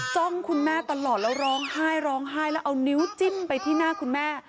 จ้องคุณแม่ตลอดแล้วร้องไห้ร้องไห้แล้วเอานิ้วจิ้มไปที่หน้าคุณแม่